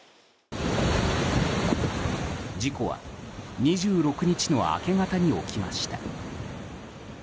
事故は２６日の明け方に起きました。